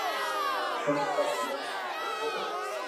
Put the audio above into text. تمي ڪاؤ ليوا آيا ھون